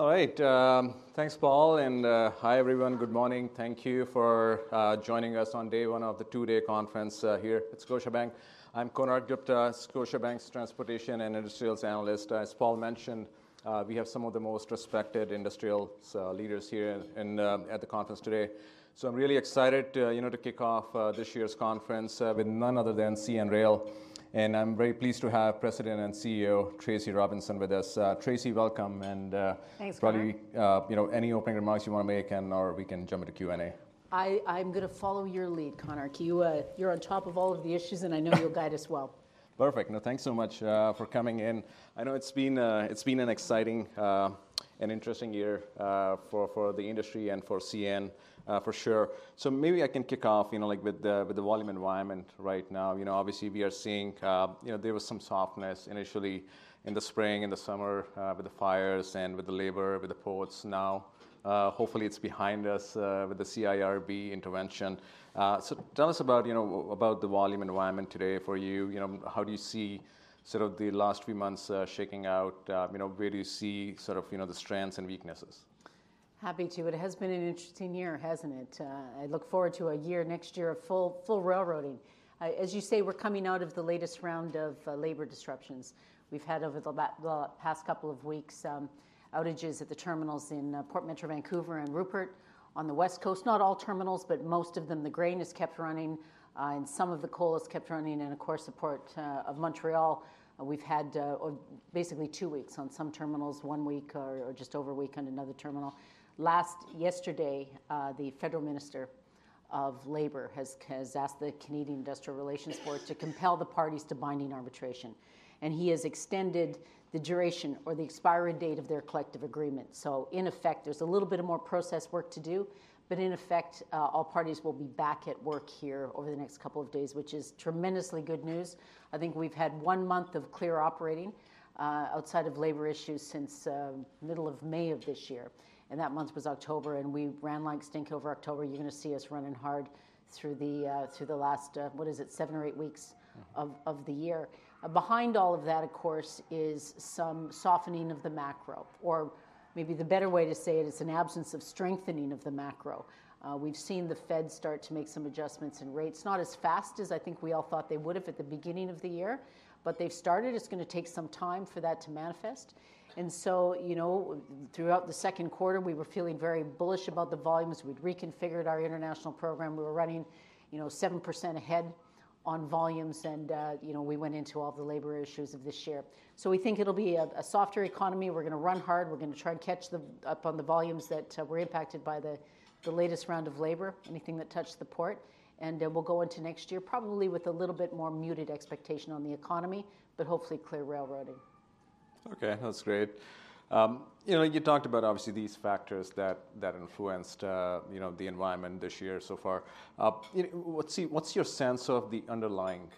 All right. Thanks, Paul. And hi, everyone. Good morning. Thank you for joining us on day one of the two-day conference here at Scotiabank. I'm Konark Gupta, Scotiabank's Transportation and Industrials Analyst. As Paul mentioned, we have some of the most respected industrial leaders here at the conference today. So I'm really excited to kick off this year's conference with none other than CN Rail. And I'm very pleased to have President and CEO Tracy Robinson with us. Tracy, welcome. And. Thanks, Konark. Any opening remarks you want to make, and we can jump into Q&A. I'm going to follow your lead, Konark. You're on top of all of the issues, and I know you'll guide us well. Perfect. No, thanks so much for coming in. I know it's been an exciting and interesting year for the industry and for CN, for sure. So maybe I can kick off with the volume environment right now. Obviously, we are seeing there was some softness initially in the spring, in the summer with the fires and with the labor, with the ports. Now, hopefully, it's behind us with the CIRB intervention. So tell us about the volume environment today for you. How do you see sort of the last few months shaking out? Where do you see sort of the strengths and weaknesses? Happy to. It has been an interesting year, hasn't it? I look forward to a year, next year, of full railroading. As you say, we're coming out of the latest round of labor disruptions we've had over the past couple of weeks, outages at the terminals in Vancouver and Rupert on the West Coast. Not all terminals, but most of them. The grain has kept running, and some of the coal has kept running. And of course, the Port of Montreal, we've had basically two weeks on some terminals, one week or just over a week on another terminal. Yesterday, the Federal Minister of Labour has asked the Canadian Industrial Relations Board to compel the parties to binding arbitration. And he has extended the duration or the expiry date of their collective agreement. So in effect, there's a little bit more process work to do. But in effect, all parties will be back at work here over the next couple of days, which is tremendously good news. I think we've had one month of clear operating outside of labor issues since the middle of May of this year. And that month was October. And we ran like stink over October. You're going to see us running hard through the last, what is it, seven or eight weeks of the year. Behind all of that, of course, is some softening of the macro, or maybe the better way to say it, it's an absence of strengthening of the macro. We've seen the Fed start to make some adjustments in rates, not as fast as I think we all thought they would have at the beginning of the year, but they've started. It's going to take some time for that to manifest. And so throughout the second quarter, we were feeling very bullish about the volumes. We'd reconfigured our international program. We were running 7% ahead on volumes. And we went into all the labor issues of this year. So we think it'll be a softer economy. We're going to run hard. We're going to try to catch up on the volumes that were impacted by the latest round of labor, anything that touched the port. And we'll go into next year probably with a little bit more muted expectation on the economy, but hopefully clear railroading. Okay, that's great. You talked about, obviously, these factors that influenced the environment this year so far. What's your sense of the underlying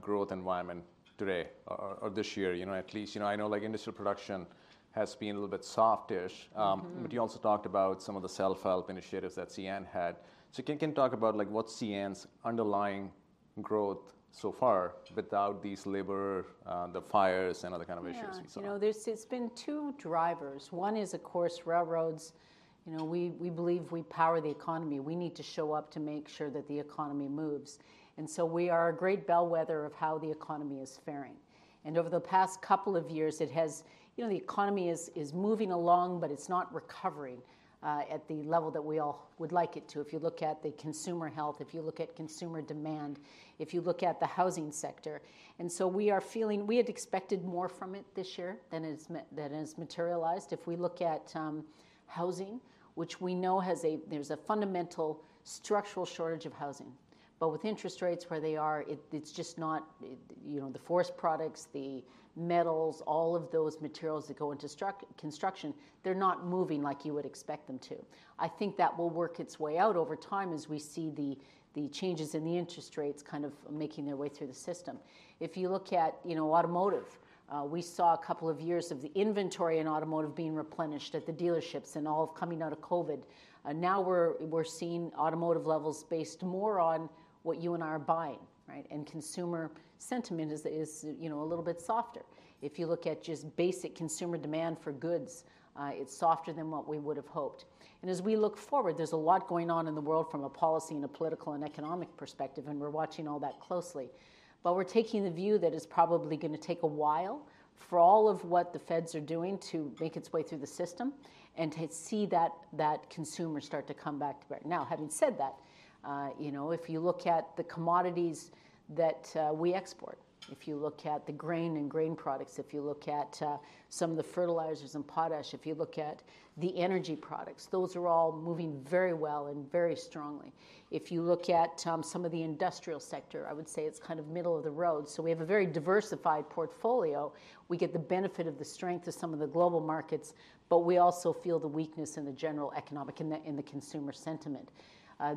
growth environment today or this year, at least? I know industrial production has been a little bit soft-ish. But you also talked about some of the self-help initiatives that CN had. So can you talk about what's CN's underlying growth so far without these labor, the fires, and other kind of issues we saw? There's been two drivers. One is, of course, railroads. We believe we power the economy. We need to show up to make sure that the economy moves, and so we are a great bellwether of how the economy is faring, and over the past couple of years, the economy is moving along, but it's not recovering at the level that we all would like it to. If you look at the consumer health, if you look at consumer demand, if you look at the housing sector, and so we had expected more from it this year than it has materialized. If we look at housing, which we know there's a fundamental structural shortage of housing, but with interest rates where they are, it's just not the forest products, the metals, all of those materials that go into construction, they're not moving like you would expect them to. I think that will work its way out over time as we see the changes in the interest rates kind of making their way through the system. If you look at automotive, we saw a couple of years of the inventory in automotive being replenished at the dealerships and all coming out of COVID. Now we're seeing automotive levels based more on what you and I are buying, and consumer sentiment is a little bit softer. If you look at just basic consumer demand for goods, it's softer than what we would have hoped, and as we look forward, there's a lot going on in the world from a policy and a political and economic perspective, and we're watching all that closely. But we're taking the view that it's probably going to take a while for all of what the Feds are doing to make its way through the system and to see that consumers start to come back to buying. Now, having said that, if you look at the commodities that we export, if you look at the grain and grain products, if you look at some of the fertilizers and potash, if you look at the energy products, those are all moving very well and very strongly. If you look at some of the industrial sector, I would say it's kind of middle of the road. So we have a very diversified portfolio. We get the benefit of the strength of some of the global markets. But we also feel the weakness in the general economic and the consumer sentiment.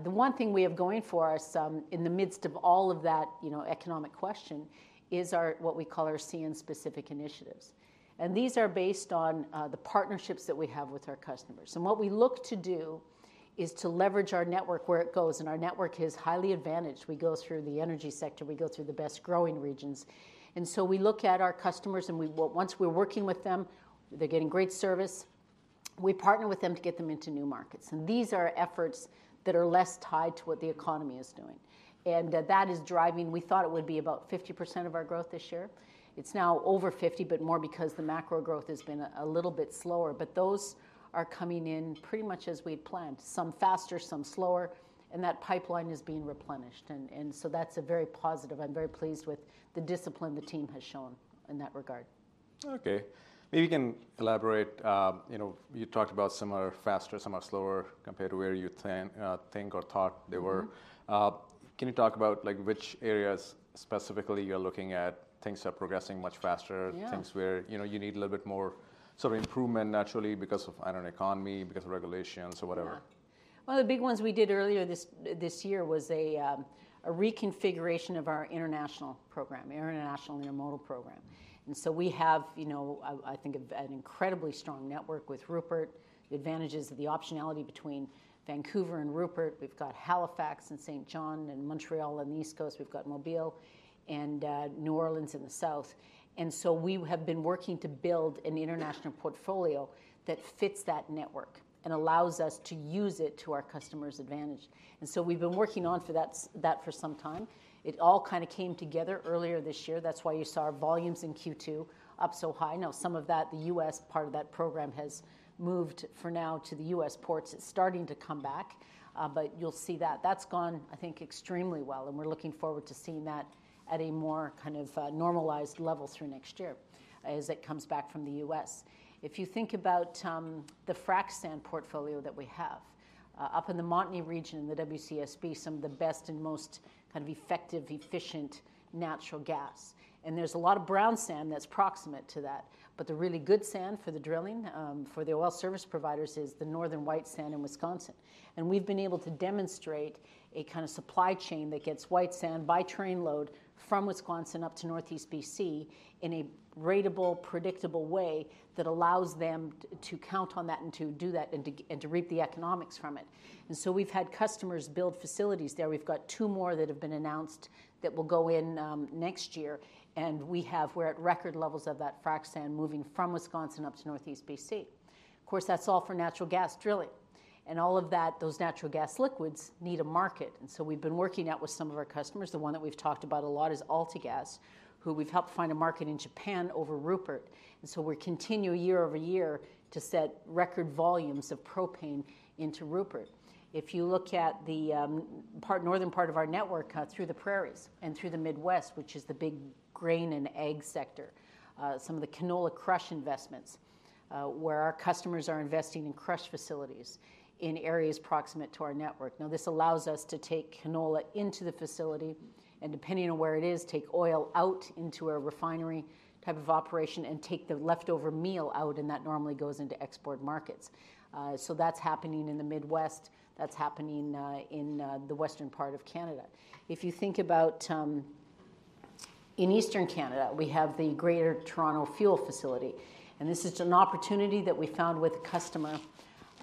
The one thing we have going for us in the midst of all of that economic question is what we call our CN-specific initiatives, and these are based on the partnerships that we have with our customers. And what we look to do is to leverage our network where it goes, and our network is highly advantaged. We go through the energy sector. We go through the best growing regions, and so we look at our customers. And once we're working with them, they're getting great service. We partner with them to get them into new markets, and these are efforts that are less tied to what the economy is doing, and that is driving. We thought it would be about 50% of our growth this year. It's now over 50, but more because the macro growth has been a little bit slower. But those are coming in pretty much as we'd planned, some faster, some slower. And that pipeline is being replenished. And so that's very positive. I'm very pleased with the discipline the team has shown in that regard. Okay. Maybe you can elaborate. You talked about some are faster, some are slower compared to where you think or thought they were. Can you talk about which areas specifically you're looking at, things are progressing much faster, things where you need a little bit more sort of improvement naturally because of, I don't know, economy, because of regulations, or whatever? Yeah. One of the big ones we did earlier this year was a reconfiguration of our international program, our international intermodal program. And so we have, I think, an incredibly strong network with Rupert, the advantages of the optionality between Vancouver and Rupert. We've got Halifax and Saint John and Montreal on the East Coast. We've got Mobile and New Orleans in the South. And so we have been working to build an international portfolio that fits that network and allows us to use it to our customer's advantage. And so we've been working on that for some time. It all kind of came together earlier this year. That's why you saw our volumes in Q2 up so high. Now, some of that, the U.S. part of that program has moved for now to the U.S. ports. It's starting to come back. But you'll see that. That's gone, I think, extremely well. And we're looking forward to seeing that at a more kind of normalized level through next year as it comes back from the U.S. If you think about the frac sand portfolio that we have up in the Montney region in the WCSB, some of the best and most kind of effective, efficient natural gas. And there's a lot of brown sand that's proximate to that. But the really good sand for the drilling for the oil service providers is the Northern White Sand in Wisconsin. And we've been able to demonstrate a kind of supply chain that gets White Sand by train load from Wisconsin up to Northeast BC in a ratable, predictable way that allows them to count on that and to do that and to reap the economics from it. And so we've had customers build facilities there. We've got two more that have been announced that will go in next year, and we're at record levels of that frac sand moving from Wisconsin up to Northeast BC. Of course, that's all for natural gas drilling, and all of those natural gas liquids need a market, and so we've been working out with some of our customers. The one that we've talked about a lot is AltaGas, who we've helped find a market in Japan over Rupert, and so we're continuing year-over-year to set record volumes of propane into Rupert. If you look at the northern part of our network through the Prairies and through the Midwest, which is the big grain and ag sector, some of the canola crush investments, where our customers are investing in crush facilities in areas proximate to our network. Now, this allows us to take canola into the facility and, depending on where it is, take oil out into a refinery type of operation and take the leftover meal out. And that normally goes into export markets. So that's happening in the Midwest. That's happening in the western part of Canada. If you think about in Eastern Canada, we have the Greater Toronto Fuel Facility. And this is an opportunity that we found with a customer,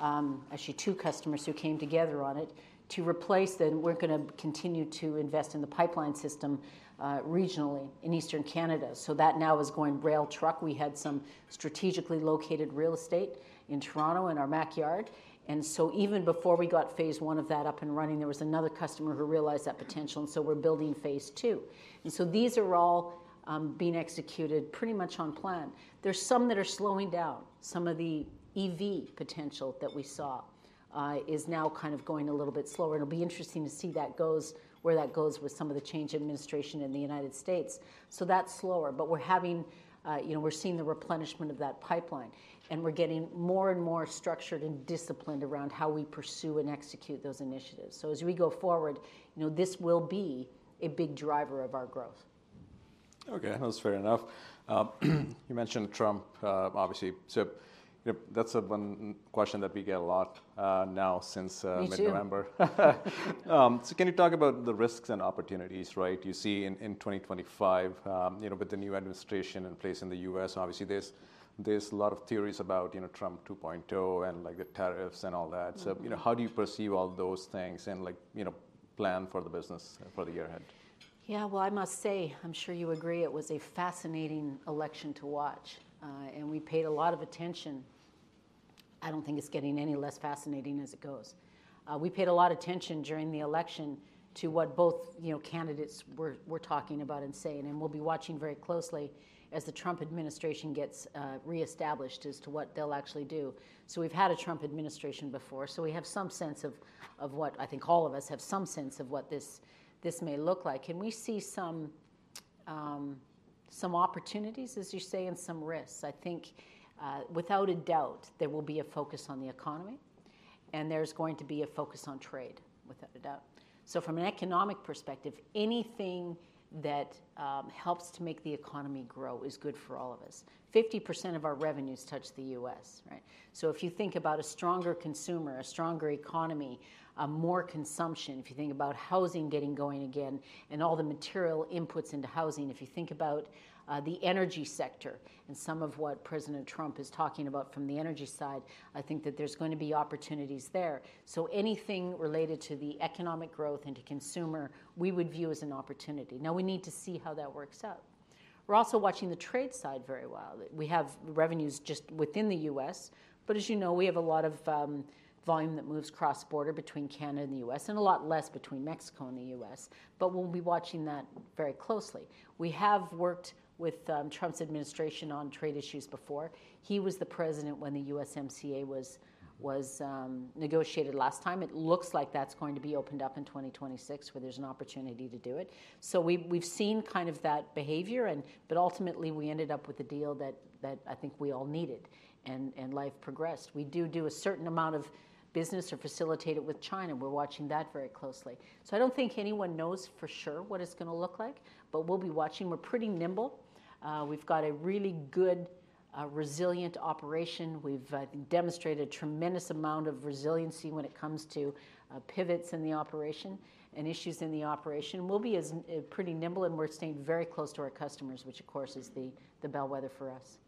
actually two customers who came together on it, to replace. We're going to continue to invest in the pipeline system regionally in Eastern Canada. So that now is going rail truck. We had some strategically located real estate in Toronto in our backyard. And so even before we got phase I of that up and running, there was another customer who realized that potential. And so we're building phase II. And so these are all being executed pretty much on plan. There's some that are slowing down. Some of the EV potential that we saw is now kind of going a little bit slower. It'll be interesting to see where that goes with some of the change in administration in the United States. So that's slower. But we're seeing the replenishment of that pipeline. And we're getting more and more structured and disciplined around how we pursue and execute those initiatives. So as we go forward, this will be a big driver of our growth. Okay, that's fair enough. You mentioned Trump, obviously. So that's one question that we get a lot now since mid-November. So can you talk about the risks and opportunities you see in 2025 with the new administration in place in the U.S.? Obviously, there's a lot of theories about Trump 2.0 and the tariffs and all that. So how do you perceive all those things and plan for the business for the year ahead? Yeah, well, I must say, I'm sure you agree, it was a fascinating election to watch. And we paid a lot of attention. I don't think it's getting any less fascinating as it goes. We paid a lot of attention during the election to what both candidates were talking about and saying. And we'll be watching very closely as the Trump administration gets reestablished as to what they'll actually do. So we've had a Trump administration before. So we have some sense of what I think all of us have some sense of what this may look like. And we see some opportunities, as you say, and some risks. I think without a doubt, there will be a focus on the economy. And there's going to be a focus on trade without a doubt. So from an economic perspective, anything that helps to make the economy grow is good for all of us. 50% of our revenues touch the U.S. So if you think about a stronger consumer, a stronger economy, more consumption, if you think about housing getting going again, and all the material inputs into housing, if you think about the energy sector and some of what President Trump is talking about from the energy side, I think that there's going to be opportunities there. So anything related to the economic growth and to consumer, we would view as an opportunity. Now, we need to see how that works out. We're also watching the trade side very well. We have revenues just within the U.S. But as you know, we have a lot of volume that moves cross-border between Canada and the U.S. and a lot less between Mexico and the U.S. But we'll be watching that very closely. We have worked with Trump's administration on trade issues before. He was the president when the USMCA was negotiated last time. It looks like that's going to be opened up in 2026, where there's an opportunity to do it. So we've seen kind of that behavior. But ultimately, we ended up with a deal that I think we all needed. And life progressed. We do do a certain amount of business or facilitate it with China. We're watching that very closely. So I don't think anyone knows for sure what it's going to look like. But we'll be watching. We're pretty nimble. We've got a really good, resilient operation. We've demonstrated a tremendous amount of resiliency when it comes to pivots in the operation and issues in the operation. We'll be pretty nimble. We're staying very close to our customers, which, of course, is the bellwether for us.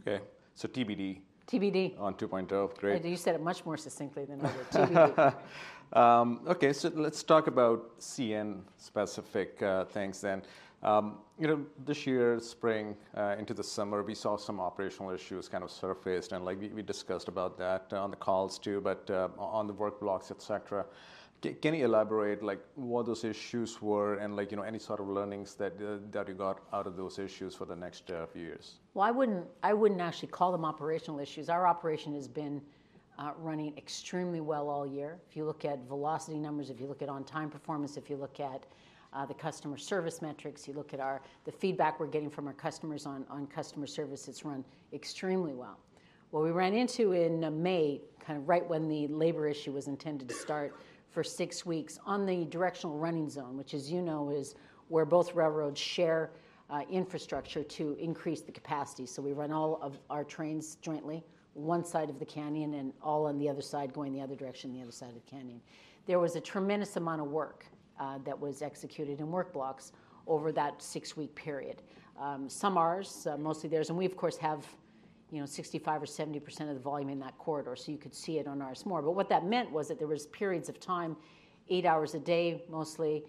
Okay. So TBD. TBD. On 2.0. Great. You said it much more succinctly than I did. Okay, so let's talk about CN-specific things then. This year's spring into the summer, we saw some operational issues kind of surfaced, and we discussed about that on the calls, too, but on the work blocks, et cetera. Can you elaborate what those issues were and any sort of learnings that you got out of those issues for the next few years? I wouldn't actually call them operational issues. Our operation has been running extremely well all year. If you look at velocity numbers, if you look at on-time performance, if you look at the customer service metrics, you look at the feedback we're getting from our customers on customer service, it's run extremely well. What we ran into in May, kind of right when the labor issue was intended to start for six weeks on the Directional Running Zone, which, as you know, is where both railroads share infrastructure to increase the capacity. So we run all of our trains jointly, one side of the canyon and all on the other side going the other direction, the other side of the canyon. There was a tremendous amount of work that was executed in work blocks over that six-week period. Some hours, mostly theirs. We, of course, have 65% or 70% of the volume in that corridor. So you could see it on ours more. But what that meant was that there were periods of time, eight hours a day mostly,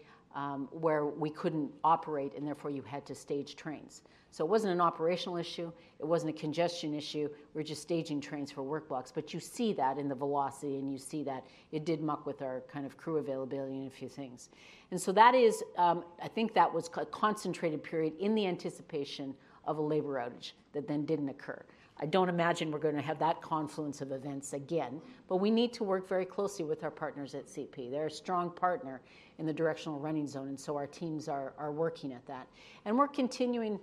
where we couldn't operate. And therefore, you had to stage trains. So it wasn't an operational issue. It wasn't a congestion issue. We're just staging trains for work blocks. But you see that in the velocity. And you see that it did muck with our kind of crew availability and a few things. And so that is, I think that was a concentrated period in the anticipation of a labor outage that then didn't occur. I don't imagine we're going to have that confluence of events again. But we need to work very closely with our partners at CP. They're a strong partner in the Directional Running Zone. And so our teams are working at that. And we're continuing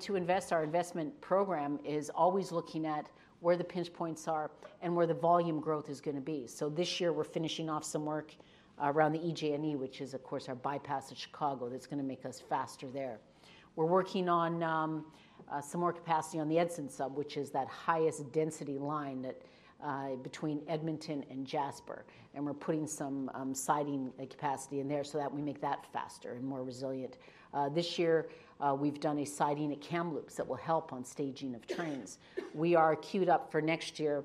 to invest. Our investment program is always looking at where the pinch points are and where the volume growth is going to be. So this year, we're finishing off some work around the EJ&E, which is, of course, our bypass of Chicago that's going to make us faster there. We're working on some more capacity on the Edson Sub, which is that highest density line between Edmonton and Jasper. And we're putting some siding capacity in there so that we make that faster and more resilient. This year, we've done a siding at Kamloops that will help on staging of trains. We are queued up for next year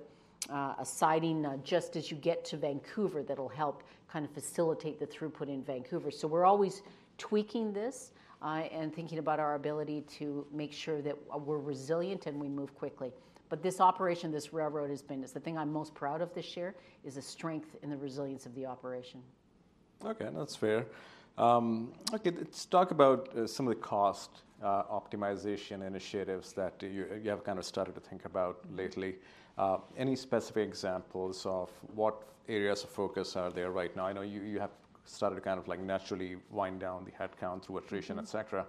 a siding just as you get to Vancouver that'll help kind of facilitate the throughput in Vancouver. So we're always tweaking this and thinking about our ability to make sure that we're resilient and we move quickly. But this operation, this railroad, is the thing I'm most proud of this year, is the strength and the resilience of the operation. Okay. That's fair. Let's talk about some of the cost optimization initiatives that you have kind of started to think about lately. Any specific examples of what areas of focus are there right now? I know you have started to kind of naturally wind down the headcount through attrition, et cetera.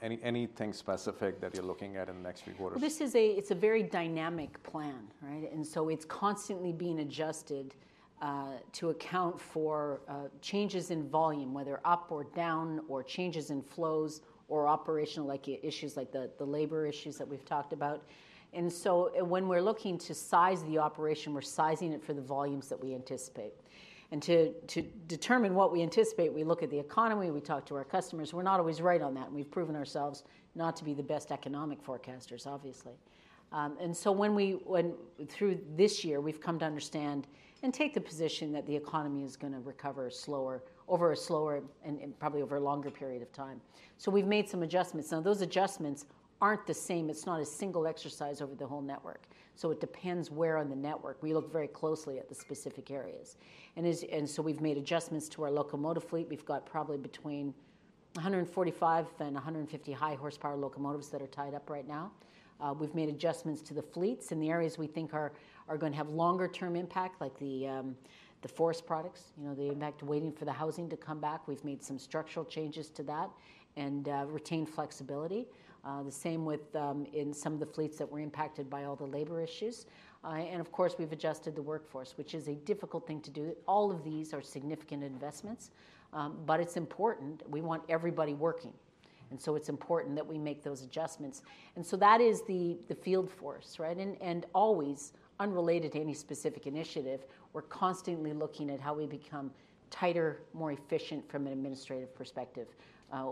Anything specific that you're looking at in the next few quarters? This is a very dynamic plan, and so it's constantly being adjusted to account for changes in volume, whether up or down or changes in flows or operational issues like the labor issues that we've talked about, and so when we're looking to size the operation, we're sizing it for the volumes that we anticipate. And to determine what we anticipate, we look at the economy. We talk to our customers. We're not always right on that, and we've proven ourselves not to be the best economic forecasters, obviously, and so through this year, we've come to understand and take the position that the economy is going to recover slower over a slower and probably over a longer period of time, so we've made some adjustments. Now, those adjustments aren't the same. It's not a single exercise over the whole network, so it depends where on the network. We look very closely at the specific areas, and so we've made adjustments to our locomotive fleet. We've got probably between 145 and 150 high horsepower locomotives that are tied up right now. We've made adjustments to the fleets and the areas we think are going to have longer-term impact, like the forest products, the impact waiting for the housing to come back. We've made some structural changes to that and retained flexibility, the same with in some of the fleets that were impacted by all the labor issues, and of course, we've adjusted the workforce, which is a difficult thing to do. All of these are significant investments, but it's important. We want everybody working, and so it's important that we make those adjustments, and so that is the field force. And always, unrelated to any specific initiative, we're constantly looking at how we become tighter, more efficient from an administrative perspective.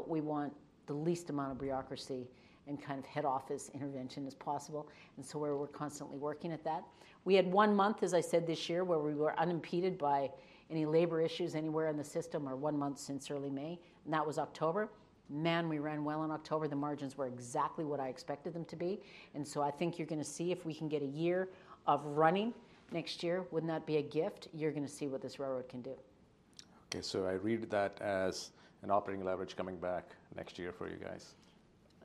We want the least amount of bureaucracy and kind of head office intervention as possible. And so we're constantly working at that. We had one month, as I said, this year where we were unimpeded by any labor issues anywhere in the system or one month since early May. And that was October. Man, we ran well in October. The margins were exactly what I expected them to be. And so I think you're going to see if we can get a year of running next year, wouldn't that be a gift? You're going to see what this railroad can do. Okay, so I read that as an operating leverage coming back next year for you guys.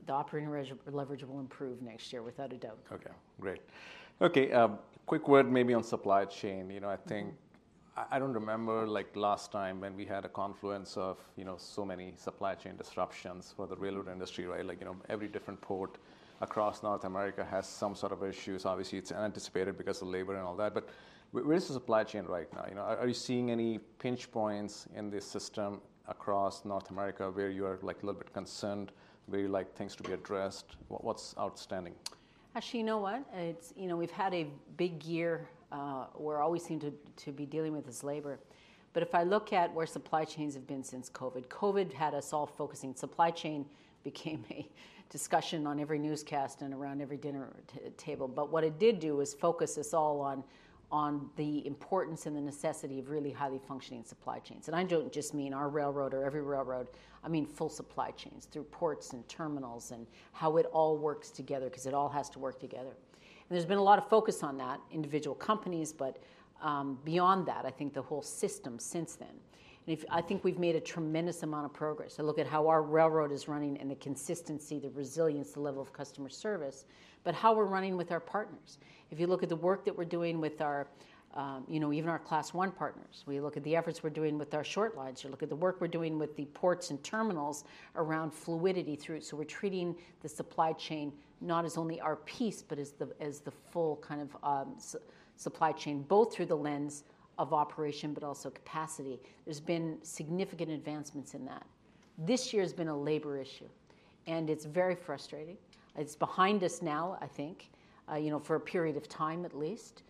The operating leverage will improve next year without a doubt. Okay. Great. Okay. Quick word maybe on supply chain. I don't remember last time when we had a confluence of so many supply chain disruptions for the railroad industry. Every different port across North America has some sort of issues. Obviously, it's anticipated because of labor and all that. But where's the supply chain right now? Are you seeing any pinch points in this system across North America where you are a little bit concerned, where you'd like things to be addressed? What's outstanding? Actually, you know what? We've had a big year where we always seem to be dealing with this labor, but if I look at where supply chains have been since COVID, COVID had us all focusing. Supply chain became a discussion on every newscast and around every dinner table, but what it did do was focus us all on the importance and the necessity of really highly functioning supply chains, and I don't just mean our railroad or every railroad. I mean full supply chains through ports and terminals and how it all works together because it all has to work together, and there's been a lot of focus on that, individual companies, but beyond that, I think the whole system since then, and I think we've made a tremendous amount of progress. I look at how our railroad is running and the consistency, the resilience, the level of customer service, but how we're running with our partners. If you look at the work that we're doing with even our Class I partners, we look at the efforts we're doing with our short lines. You look at the work we're doing with the ports and terminals around fluidity through it, so we're treating the supply chain not as only our piece, but as the full kind of supply chain, both through the lens of operation, but also capacity. There's been significant advancements in that. This year has been a labor issue, and it's very frustrating. It's behind us now, I think, for a period of time at least.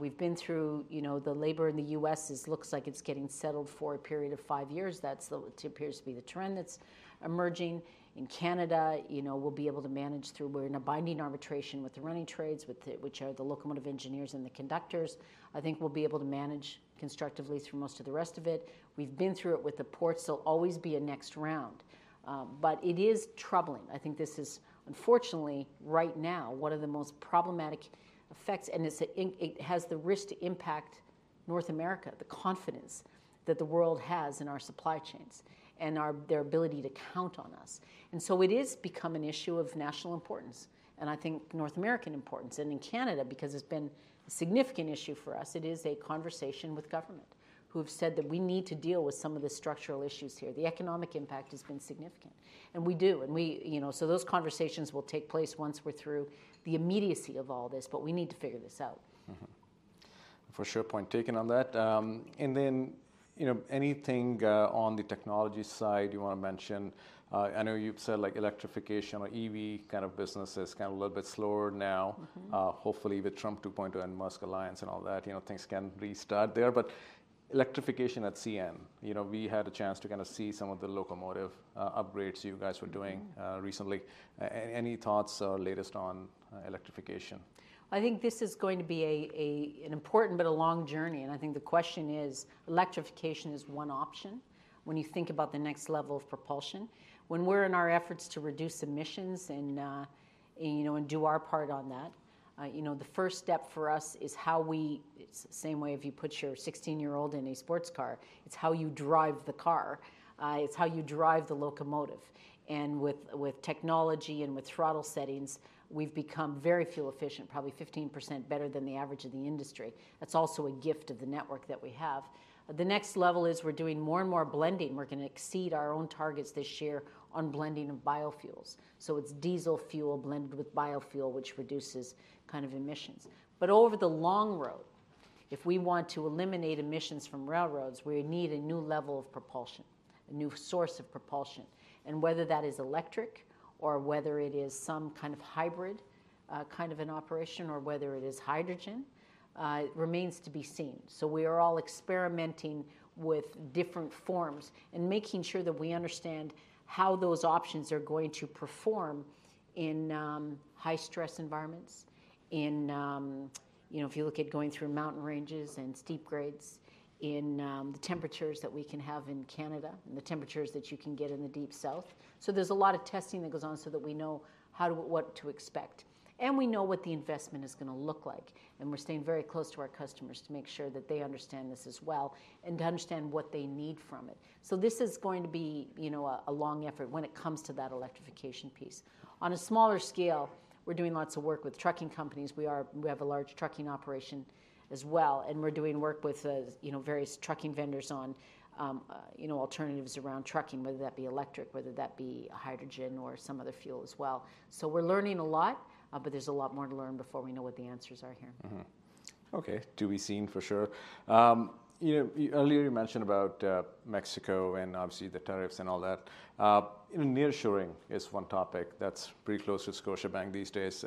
We've been through the labor in the U.S. It looks like it's getting settled for a period of five years. That appears to be the trend that's emerging. In Canada, we'll be able to manage through. We're in a binding arbitration with the Running Trades, which are the locomotive engineers and the conductors. I think we'll be able to manage constructively through most of the rest of it. We've been through it with the ports. There'll always be a next round. But it is troubling. I think this is, unfortunately, right now, one of the most problematic effects. And it has the risk to impact North America, the confidence that the world has in our supply chains and their ability to count on us. And so it is become an issue of national importance and I think North American importance. In Canada, because it's been a significant issue for us, it is a conversation with government who have said that we need to deal with some of the structural issues here. The economic impact has been significant. And we do. And so those conversations will take place once we're through the immediacy of all this. But we need to figure this out. For sure. Point taken on that. And then anything on the technology side you want to mention? I know you've said electrification or EV kind of business is kind of a little bit slower now, hopefully with Trump 2.0 and Musk alliance and all that. Things can restart there. But electrification at CN, we had a chance to kind of see some of the locomotive upgrades you guys were doing recently. Any thoughts latest on electrification? I think this is going to be an important but a long journey. I think the question is, electrification is one option when you think about the next level of propulsion. When we're in our efforts to reduce emissions and do our part on that, the first step for us is it's the same way if you put your 16-year-old in a sports car. It's how you drive the car. It's how you drive the locomotive. And with technology and with throttle settings, we've become very fuel efficient, probably 15% better than the average of the industry. That's also a gift of the network that we have. The next level is we're doing more and more blending. We're going to exceed our own targets this year on blending of biofuels. It's diesel fuel blended with biofuel, which reduces kind of emissions. But over the long road, if we want to eliminate emissions from railroads, we need a new level of propulsion, a new source of propulsion. And whether that is electric or whether it is some kind of hybrid kind of an operation or whether it is hydrogen, it remains to be seen. So we are all experimenting with different forms and making sure that we understand how those options are going to perform in high-stress environments, if you look at going through mountain ranges and steep grades, in the temperatures that we can have in Canada, and the temperatures that you can get in the Deep South. So there's a lot of testing that goes on so that we know what to expect. And we know what the investment is going to look like. And we're staying very close to our customers to make sure that they understand this as well and to understand what they need from it. So this is going to be a long effort when it comes to that electrification piece. On a smaller scale, we're doing lots of work with trucking companies. We have a large trucking operation as well. And we're doing work with various trucking vendors on alternatives around trucking, whether that be electric, whether that be hydrogen or some other fuel as well. So we're learning a lot. But there's a lot more to learn before we know what the answers are here. Okay. To be seen for sure. Earlier, you mentioned about Mexico and obviously the tariffs and all that. Nearshoring is one topic that's pretty close to Scotiabank these days.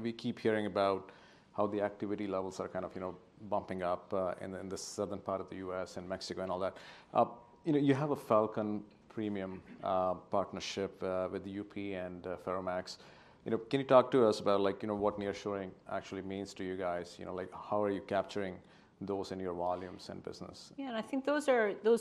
We keep hearing about how the activity levels are kind of bumping up in the southern part of the U.S. and Mexico and all that. You have a Falcon Premium partnership with the UP and Ferromex. Can you talk to us about what nearshoring actually means to you guys? How are you capturing those in your volumes and business? Yeah. And I think those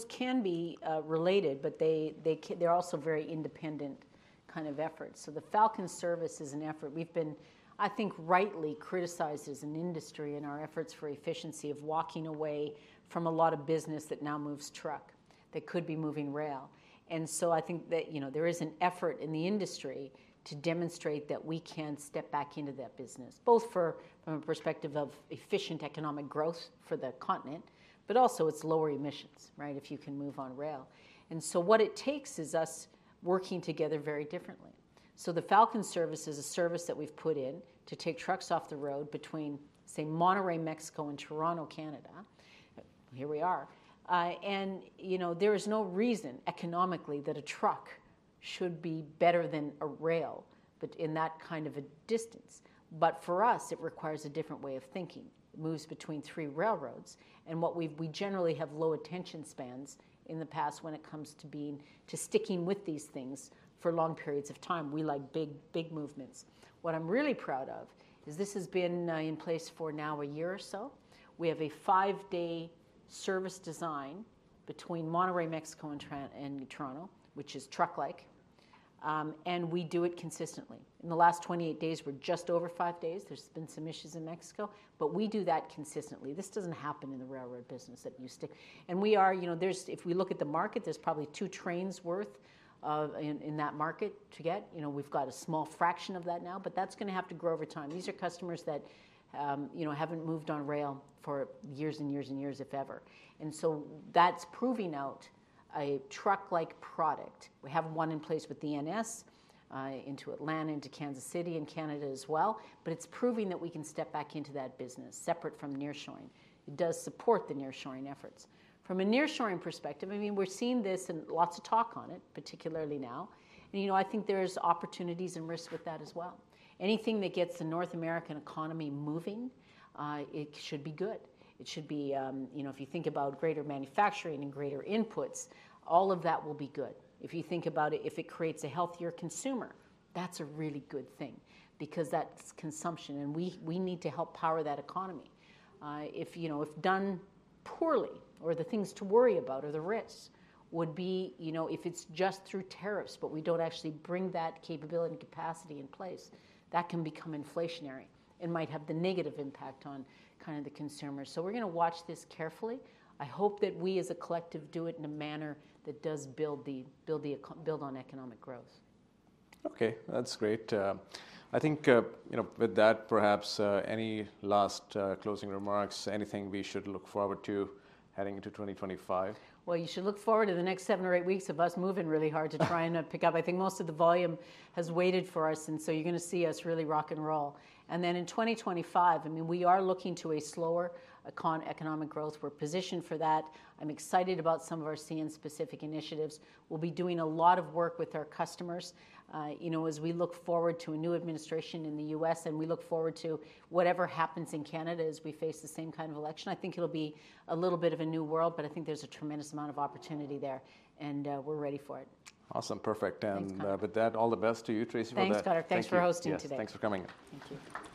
can be related. But they're also very independent kind of efforts. So the Falcon service is an effort we've been, I think, rightly criticized as an industry in our efforts for efficiency of walking away from a lot of business that now moves truck that could be moving rail. And so I think that there is an effort in the industry to demonstrate that we can step back into that business, both from a perspective of efficient economic growth for the continent, but also it's lower emissions if you can move on rail. And so what it takes is us working together very differently. So the Falcon service is a service that we've put in to take trucks off the road between, say, Monterrey, Mexico, and Toronto, Canada. Here we are. And there is no reason economically that a truck should be better than a rail in that kind of a distance. But for us, it requires a different way of thinking. It moves between three railroads. And we generally have low attention spans in the past when it comes to sticking with these things for long periods of time. We like big movements. What I'm really proud of is this has been in place for now a year or so. We have a five-day service design between Monterrey, Mexico, and Toronto, which is truck-like. And we do it consistently. In the last 28 days, we're just over five days. There's been some issues in Mexico. But we do that consistently. This doesn't happen in the railroad business that you stick. And if we look at the market, there's probably two trains' worth in that market to get. We've got a small fraction of that now, but that's going to have to grow over time. These are customers that haven't moved on rail for years and years and years, if ever, and so that's proving out a truck-like product. We have one in place with the NS into Atlanta, into Kansas City, and Canada as well, but it's proving that we can step back into that business separate from nearshoring. It does support the nearshoring efforts. From a nearshoring perspective, I mean, we're seeing this and lots of talk on it, particularly now, and I think there's opportunities and risks with that as well. Anything that gets the North American economy moving, it should be good. It should be, if you think about greater manufacturing and greater inputs, all of that will be good. If you think about it, if it creates a healthier consumer, that's a really good thing because that's consumption, and we need to help power that economy. If done poorly, or the things to worry about are the risks, would be if it's just through tariffs, but we don't actually bring that capability and capacity in place, that can become inflationary and might have the negative impact on kind of the consumers, so we're going to watch this carefully. I hope that we, as a collective, do it in a manner that does build on economic growth. Okay. That's great. I think with that, perhaps any last closing remarks, anything we should look forward to heading into 2025? You should look forward to the next seven or eight weeks of us moving really hard to try and pick up. I think most of the volume has waited for us. And so you're going to see us really rock and roll. And then in 2025, I mean, we are looking to a slower economic growth. We're positioned for that. I'm excited about some of our CN-specific initiatives. We'll be doing a lot of work with our customers as we look forward to a new administration in the U.S. And we look forward to whatever happens in Canada as we face the same kind of election. I think it'll be a little bit of a new world. But I think there's a tremendous amount of opportunity there. And we're ready for it. Awesome. Perfect. And with that, all the best to you, Tracy, for that. Thanks, Konark. Thanks for hosting today. Thanks for coming. Thank you.